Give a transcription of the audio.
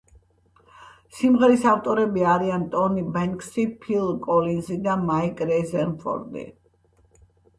სიმღერის ავტორები არიან ტონი ბენქსი, ფილ კოლინზი და მაიკ რეზერფორდი.